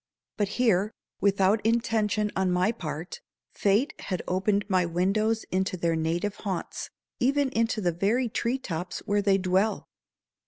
But here, without intention on my part, fate had opened my windows into their native haunts, even into the very tree tops where they dwell.